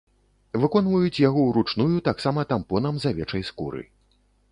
Выконваюць яго ўручную таксама тампонам з авечай скуры.